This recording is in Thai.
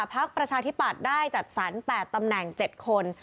พักประชาธิปัตย์ได้จัดสรร๘ตำแหน่ง๗คน